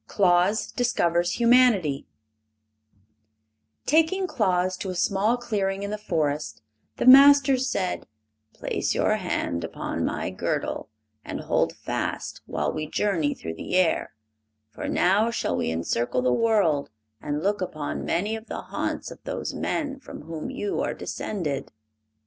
Claus Discovers Humanity Taking Claus to a small clearing in the forest, the Master said: "Place your hand upon my girdle and hold fast while we journey through the air; for now shall we encircle the world and look upon many of the haunts of those men from whom you are descended."